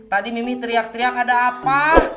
tadi mimi teriak teriak ada apa